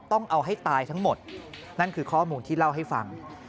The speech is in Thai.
ต้องเอาให้ตายทั้งหมดนั่นคือข้อมูลที่เล่าให้ฟัง